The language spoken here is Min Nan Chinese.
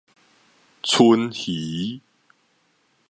鰆魚